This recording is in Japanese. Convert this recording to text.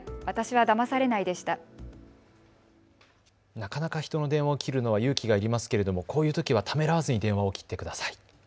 なかなか人の電話を切るのは勇気がいりますけれどもこういうときはためらわずに電話を切ってください。